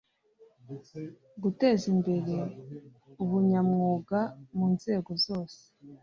guteza imbere ubunyamwuga mu nzego zose